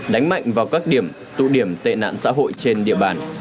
đánh mạnh vào các điểm tụ điểm tên ạn xã hội trên địa bàn